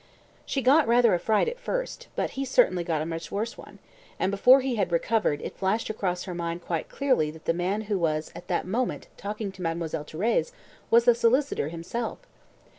She got rather a fright at first, but he certainly got a much worse one; and before he had recovered it had flashed across her mind quite clearly that the man who was at that moment talking to Mademoiselle Thérèse, was the solicitor himself.